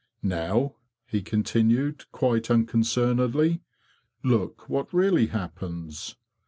" Now," he continued, quite unconcernedly, "look what really happens.